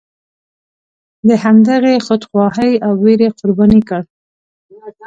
د همغې خودخواهۍ او ویرې قرباني کړ.